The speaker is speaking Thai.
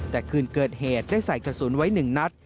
แต่คืนเกิดเหตุได้ใส่กระสุนไว้๑นัด